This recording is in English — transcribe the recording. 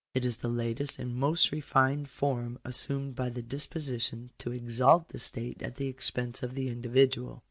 It is the latest and most refined form assumed by this disposition to exalt the state at the expense of the indi vidual.